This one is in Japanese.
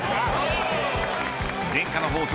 伝家の宝刀